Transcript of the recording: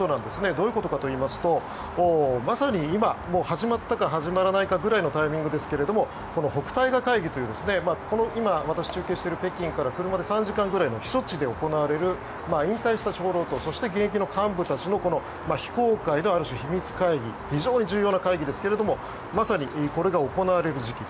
どういうことかと言いますとまさに今始まったか始まらないかぐらいのタイミングですがこの北戴河会議という今、私が中継をしている北京から車で３時間ぐらいの避暑地で行われる引退した長老と現役の幹部のある種、秘密会議非常に重要な会議ですけれどまさにこれが行われる時期。